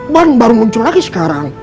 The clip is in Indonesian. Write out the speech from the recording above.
baru baru muncul lagi sekarang